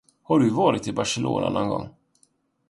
Har du varit i Barcelona någon gång?